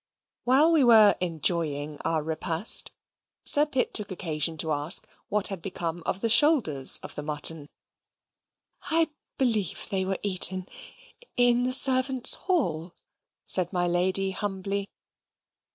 While we were enjoying our repast, Sir Pitt took occasion to ask what had become of the shoulders of the mutton. "I believe they were eaten in the servants' hall," said my lady, humbly.